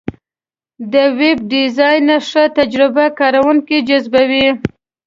د ویب ډیزاین ښه تجربه کارونکي جذبوي.